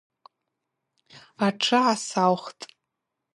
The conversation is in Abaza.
Атшы гӏасаухтӏ.